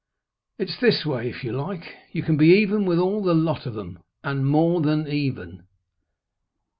"It's this way; if you like, you can be even with all the lot of them and more than even."